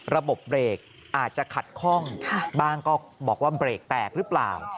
ระบบเบรกอาจจะขัดคล่องบ้างก็บอกว่าเบรกแตกหรือเปล่า